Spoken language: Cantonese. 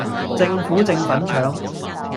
政府正粉腸